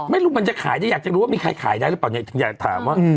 ไม่รู้มันจะขายได้อยากจะรู้ว่ามีใครขายได้หรือเปล่าเนี่ยถึงอยากถามว่า